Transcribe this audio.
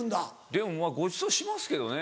でもごちそうしますけどね